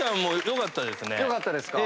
良かったですか。